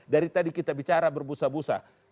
dari tadi kita bicara berbusa busa